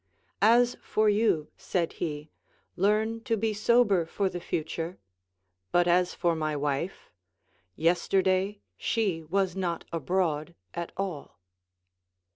As for vou, said he, learn to be sober for the future ; but as for my wife, yesterday she was not abroad at all.